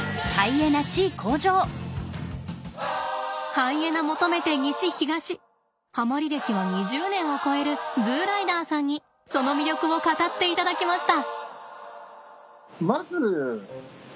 ハイエナ求めて西東はまり歴は２０年を超えるＺＯＯライダーさんにその魅力を語っていただきました。